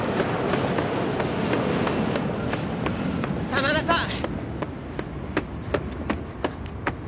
真田さん！